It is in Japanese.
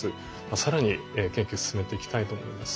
更に研究進めていきたいと思います。